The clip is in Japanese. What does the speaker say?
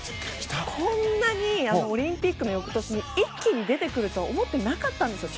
こんなにオリンピックの翌年に一気に出てくるとは思っていなかったんですよ